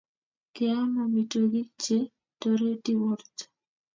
Keam amitwogik che toreti porto